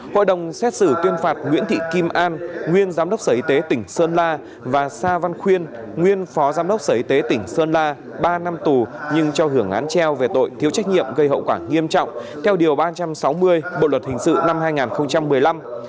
hội đồng xét xử tuyên phạt nguyễn thị kim an nguyên giám đốc sở y tế tỉnh sơn la và sa văn khuyên nguyên phó giám đốc sở y tế tỉnh sơn la ba năm tù nhưng cho hưởng án treo về tội thiếu trách nhiệm gây hậu quả nghiêm trọng theo điều ba trăm sáu mươi bộ luật hình sự năm hai nghìn một mươi năm